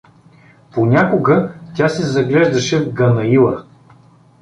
Понякога тя се заглеждаше в Ганаила.